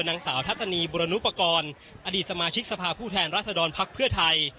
นางสาวทัศนีบุรณุปกรณ์อดีตสมาชิกสภาพผู้แทนรัศดรภักดิ์เพื่อไทย